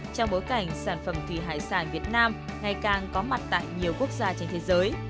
trong bối cảnh sản phẩm thủy hải sản việt nam ngày càng có mặt tại nhiều quốc gia trên thế giới